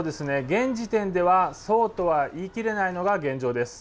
現時点では、そうとは言い切れないのが現状です。